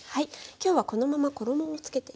きょうはこのまま衣を付けていきますね。